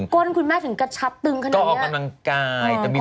ก้นคุณแม่ถึงกระชับตึงขนาดนี้